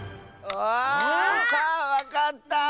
あわかった！